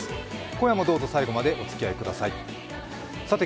今夜もどうぞ最後までお付き合いください。